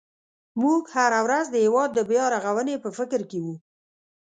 موږ هره ورځ د هېواد د بیا رغونې په فکر کې وو.